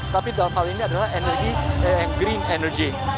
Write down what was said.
tapi dalam hal ini adalah energi green energy